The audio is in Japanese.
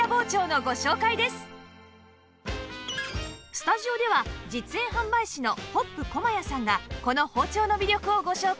スタジオでは実演販売士のホップ駒谷さんがこの包丁の魅力をご紹介